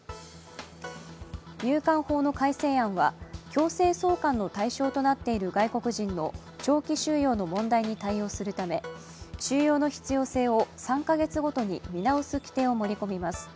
入管法の改正案は強制送還の対象となっている外国人の長期収容の問題に対応するため収容の必要性を３か月ごとに見直す規定を盛り込みます。